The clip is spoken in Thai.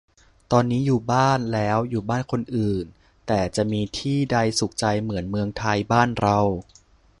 ตอนนี้ "อยู่บ้าน" แล้ว อยู่บ้านคนอื่น แต่จะมีที่ใดสุขใจเหมือนเมืองไทยบ้านเรา~~